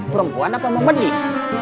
perempuan apa mau pedih